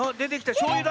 しょうゆだ。